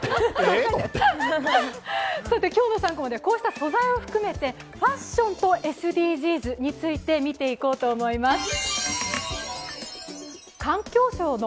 今日の３コマでは素材も含めてファッションとＳＤＧｓについて見ていこうと思います。